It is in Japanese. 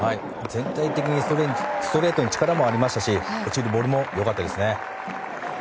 全体的にストレートに力もありましたし落ちるボールも良かったですね。